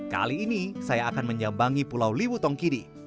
kali ini saya akan menyambangi pulau liwu tongkidi